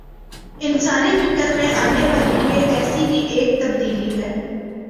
انسانی فکر میں آنے والی یہ ایسی ہی ایک تبدیلی ہے۔